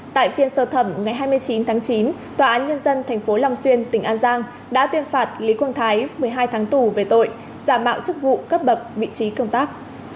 tại phiên sơ thẩm ngày hai mươi chín tháng chín tòa án nhân dân tp long xuyên tỉnh an giang đã tuyên phạt lý quang thái một mươi hai tháng tù về tội giả mạo chức vụ cấp bậc vị trí công tác